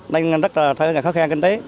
nên rất là khó khăn kinh tế